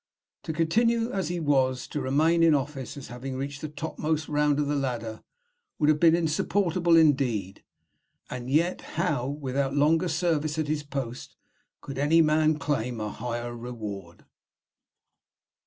To continue as he was, to remain in office, as having reached the topmost round of the ladder, would have been insupportable indeed; and yet how, without longer service at his post, could any man claim a higher reward?